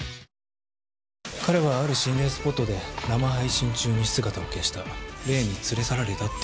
彼は、ある心霊スポットで生配信中に姿を消した。